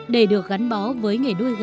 để được gắn bó với nghề nuôi gai